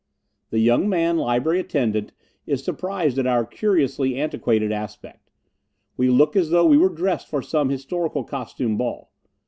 The young man library attendant is surprised at our curiously antiquated aspect. We look as though we were dressed for some historical costume ball.